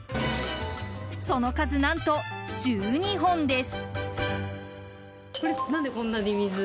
その数何と、１２本です。